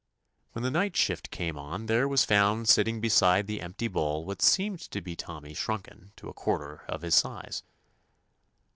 When the night shift came on there was found sitting beside the empty bowl what seemed to be Tommy shrunken to a quarter of his size.